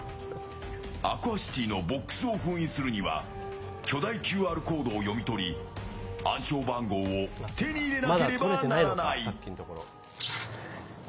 アクアシティのボックスを封印するには巨大ＱＲコードを読み取り暗証番号を手に入れなければならない。